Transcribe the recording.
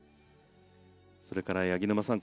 それから八木沼さん